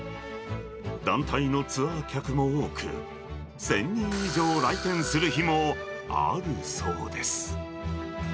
団体のツアー客も多く、１０００人以上来店する日もあるそうです。